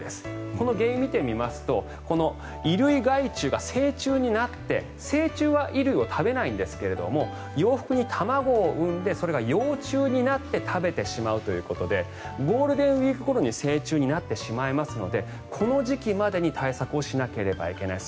この原因を見てみますと衣類害虫が成虫になって成虫は衣類を食べないんですが洋服に卵を産んでそれが幼虫になって食べてしまうということでゴールデンウィークごろに成虫になってしまいますのでこの時期までに対策をしなければいけない。